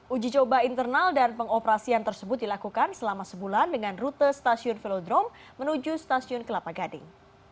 uji coba internal dan pengoperasian tersebut dilakukan selama sebulan dengan rute stasiun velodrome menuju stasiun kelapa gading